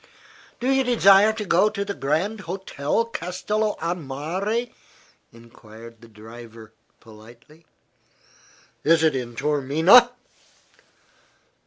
"Do you desire to go to the Grand Hotel Castello a Mare?" enquired the driver, politely. "Is it in Taormina?"